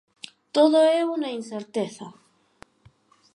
Todo é unha incerteza.